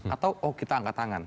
atau kita angkat tangan